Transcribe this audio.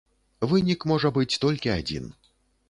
Вынік можа быць толькі адзін.